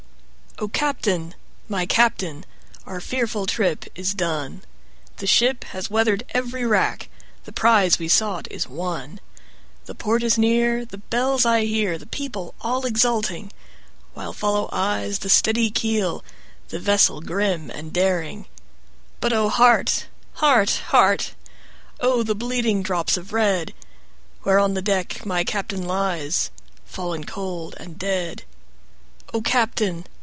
O CAPTAIN! my Captain! our fearful trip is done, The ship has weather'd every rack, the prize we sought is won, The port is near, the bells I hear, the people all exulting, While follow eyes the steady keel, the vessel grim and daring; But O heart! heart! heart! 5 O the bleeding drops of red! Where on the deck my Captain lies, Fallen cold and dead. O Captain!